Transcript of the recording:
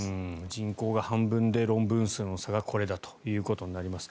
人口が半分で論文数の差がこれだということになります。